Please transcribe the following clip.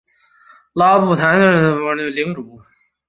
拉布克台吉是蒙古右翼兀慎部领主。